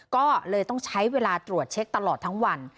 ก็เลยต้องใช้เวลาตรวจเช็คตลอดทั้งวัน